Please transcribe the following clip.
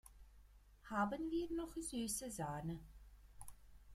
Haben wir noch süße Sahne?